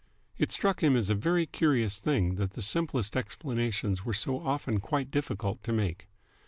It struck him as a very curious thing that the simplest explanations were so often quite difficult to make.